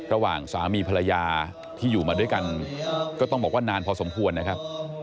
ระหว่างสามีภรรยาที่อยู่มาด้วยกันก็ต้องบอกว่านานพอสมควรนะครับ